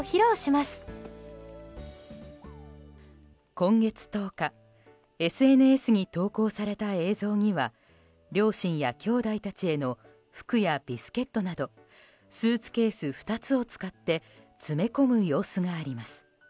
今月１０日ＳＮＳに投稿された映像には両親や兄弟たちへの服やビスケットなどスーツケース２つを使って詰め込む様子があります。